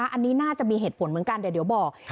อันนี้น่าจะมีเหตุผลเหมือนกันเดี๋ยวบอก